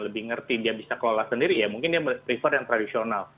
lebih ngerti dia bisa kelola sendiri ya mungkin dia prefer yang tradisional